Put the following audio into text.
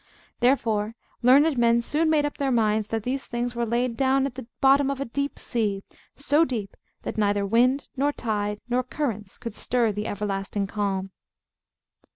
Therefore learned men soon made up their minds that these things were laid down at the bottom of a deep sea, so deep that neither wind, nor tide, nor currents could stir the everlasting calm.